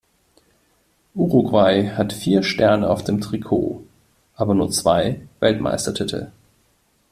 Uruguay hat vier Sterne auf dem Trikot, aber nur zwei Weltmeistertitel.